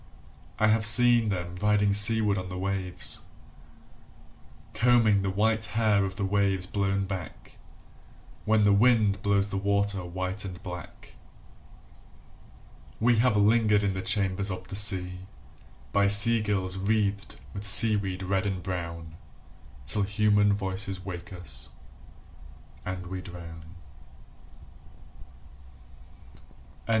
I have seen them riding seaward on the waves Combing the white hair of the waves blown back When the wind blows the water white and black. We have lingered in the chambers of the sea By sea girls wreathed with seaweed red and brown Till human voices wake us, and we drown. T. S.